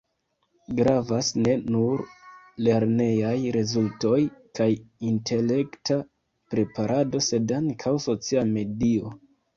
Gravas ne nur lernejaj rezultoj kaj intelekta preparado, sed ankaŭ socia medio.